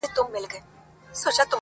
یوه ورځ له ناچارۍ ولاړى حاکم ته،